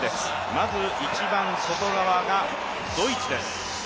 まず、一番外側がドイツです。